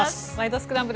スクランブル」